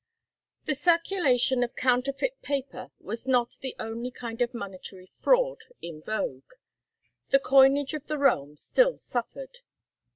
The circulation of counterfeit paper was not the only kind of monetary fraud in vogue. The coinage of the realm still suffered.